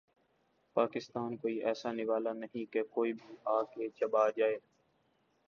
پاکستان کوئی آسان نوالہ نہیں کہ کوئی بھی آ کے چبا جائے۔